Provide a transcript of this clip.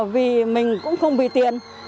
vì mình cũng không vì tiền